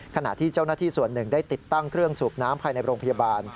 ขณะที่เจ้าหน้าที่ส่วนหนึ่งได้ติดตั้งเครื่องสูบน้ำภายในโรงพยาบาล